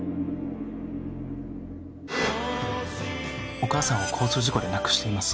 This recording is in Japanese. お母さんを交通事故で亡くしています。